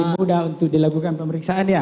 mudah untuk dilakukan pemeriksaan ya